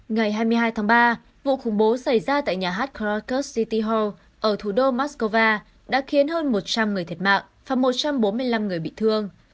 ngày hai mươi hai tháng ba vụ khủng bố xảy ra tại nhà hát kracus city hall ở thủ đô moscow đã khiến hơn một trăm linh người thiệt mạng và một trăm bốn mươi năm người bị thương